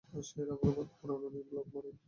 সে রাবণের মাথা পোড়ানো নিয়ে ব্লগ বানায়।